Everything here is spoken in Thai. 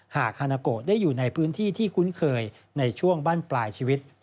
หากฮานาโกได้อยู่ในพื้นที่ที่คุ้นเคยในช่วงบ้านปลายชีวิต